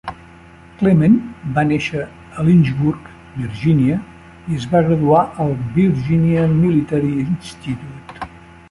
Clement va néixer a Lynchburg, Virgínia, i es va graduar al Virginia Military Institute.